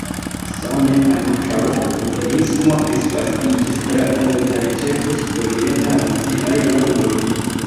Same ankaŭ Budhismo disvastiĝis tra multaj ĉefe sudorienta aziaj landoj.